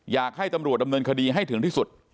อยากให้ตำรวจดำเนินคดีให้ถึงที่สุด